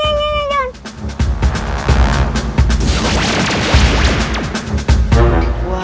jangan jangan jangan